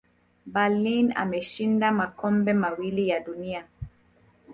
berlin ameshinda makombe mawili ya dunia